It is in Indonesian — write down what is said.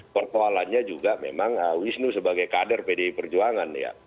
pertualannya juga memang wisnu sebagai kader pd perjuangan ya